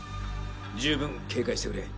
十分警戒してくれ。